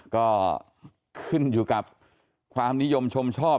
ก็ขึ้นอยู่กับความนิยมชมชอบ